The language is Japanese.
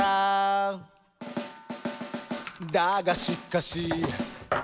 「だがしかし」